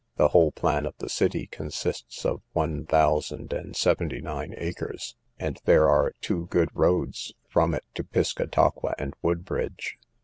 The whole plan of the city consists of one thousand and seventy nine acres, and there are two good roads from it to Piscataqua and Woodbridge.